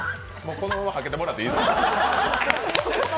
このままはけてもらっていいですか？